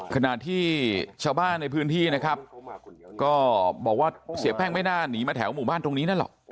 ขณะที่ชาวบ้านในพื้นที่นะครับก็บอกว่าเสียแป้งไม่น่าหนีมาแถวหมู่บ้านตรงนี้นั่นหรอก